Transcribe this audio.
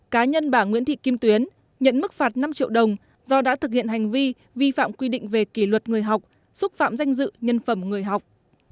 cá nhân bà nguyễn thị kim tuyến nhận mức phạt năm triệu đồng do đã thực hiện hành vi vi phạm quy định về kỷ luật người học xúc phạm danh dự nhân phẩm người học